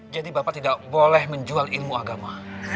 jadi bapak tidak boleh menjual ilmu agama